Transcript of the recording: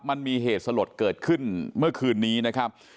มันมีเหตุสลดเกิดขึ้นเมื่อคืนนี้นะครับ